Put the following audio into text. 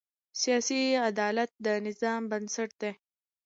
سیاسي عدالت د نظام بنسټ دی